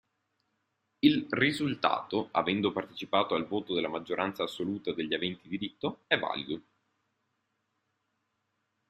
Il risultato, avendo partecipato al voto della maggioranza assoluta degli aventi diritto, è valido.